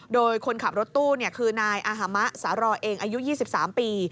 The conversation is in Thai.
โดยคนขับรถตู้คือนายอาฮามะสารอเองอายุ๒๓ปี